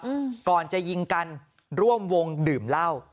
อืมก่อนจะยิงกันร่วมวงดื่มเหล้า